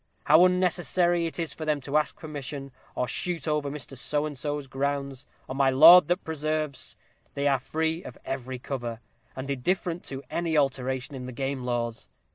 how unnecessary is it for them to ask permission to shoot over Mr. So and so's grounds, or my Lord That's preserves! they are free of every cover, and indifferent to any alteration in the game laws.